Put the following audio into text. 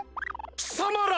きさまら！